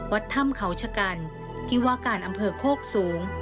วัดถ้ำเขาชะกันที่ว่าการอำเภอโคกสูง